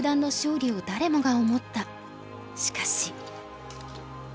しかし。